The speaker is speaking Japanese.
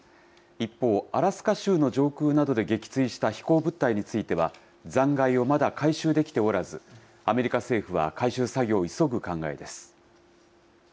一方、アラスカ州の上空などで撃墜した飛行物体については、残骸をまだ回収できておらず、アメリカ政府は回収作業を急ぐ考えです。